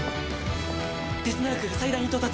デズナラクが最大に到達！